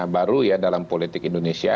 baru ya dalam politik indonesia